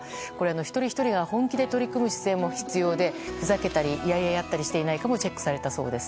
一人ひとりが本気で取り組む姿勢も必要でふざけたり嫌々やったりしていないかももチェックされたそうです。